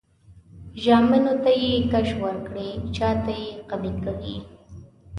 زامنو ته یې کش ورکړی؛ شاته یې قوي کوي.